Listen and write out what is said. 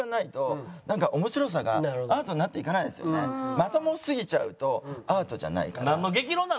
まともすぎちゃうとアートじゃないから。